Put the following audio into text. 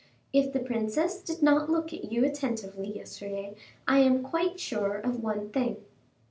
If the princess did not look at you attentively yesterday, I am quite sure of one thing."